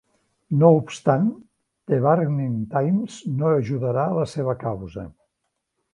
No obstant, "The Burning Times" no ajudarà la seva causa.